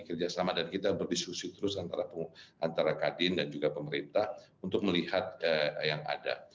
kerjasama dan kita berdiskusi terus antara kadin dan juga pemerintah untuk melihat yang ada